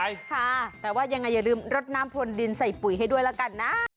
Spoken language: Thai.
อย่าลืมรดน้ำพลดินใส่ปุ๋ยให้ด้วยละกันนะ